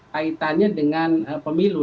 kaitannya dengan pemilu